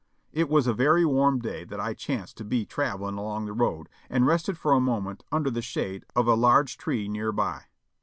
It was a very warm day that I chanced to be traveling along the road, and rested for a moment under the shade of a large tree near by.